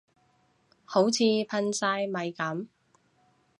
好似噴曬咪噉